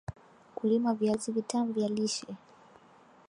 kulima viazi vitam vya lishe